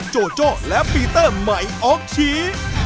โจโจ้และปีเตอร์ใหม่ออฟชีส